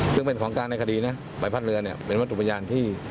ซึ่งเป็นของกลางในคดีนะใบพัดเรือเนี่ยเป็นวัตถุพยานที่